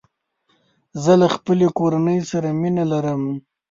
زه له خپلې کورني سره مینه لرم.